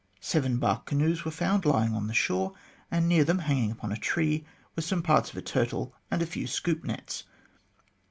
Seven bark canoes were found lying on the shore, and near them, hanging upon a tree, were some parts of a turtle and a few scoop nets.